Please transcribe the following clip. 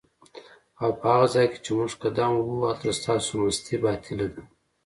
اوپه هغه ځای کی چی موږ قدم وهو هلته ستاسو مستی باطیله ده